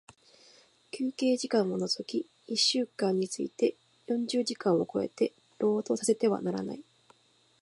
休憩時間を除き一週間について四十時間を超えて、労働させてはならない。